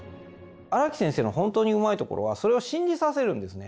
荒木先生の本当にうまいところはそれを信じさせるんですね。